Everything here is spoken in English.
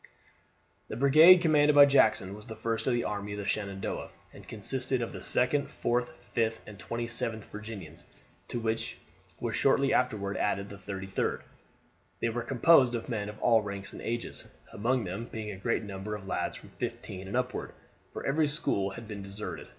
The brigade commanded by Jackson was the first of the army of the Shenandoah, and consisted of the 2d, 4th, 5th, and 27th Virginians, to which was shortly afterward added the 33d. They were composed of men of all ranks and ages, among them being a great number of lads from fifteen and upward; for every school had been deserted.